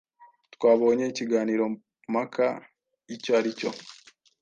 twabonye ikiganiro mpaka icyo ari cyo,